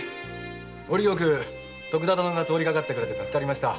折よく徳田殿が通りかかって助かりました。